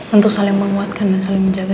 untuk saling menguatkan dan saling menjaga